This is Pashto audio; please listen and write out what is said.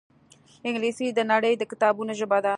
انګلیسي د نړۍ د کتابونو ژبه ده